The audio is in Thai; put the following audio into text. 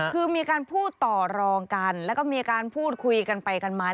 คือมีการพูดต่อรองกันแล้วก็มีการพูดคุยกันไปกันมา